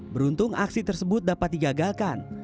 beruntung aksi tersebut dapat digagalkan